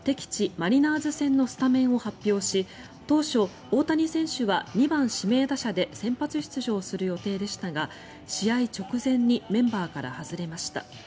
マリナーズ戦のスタメンを発表し当初、大谷選手は２番指名打者で先発出場する予定でしたが試合直前にメンバーから外れました。